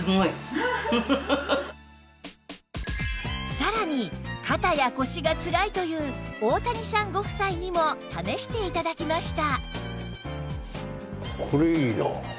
さらに肩や腰がつらいという大谷さんご夫妻にも試して頂きました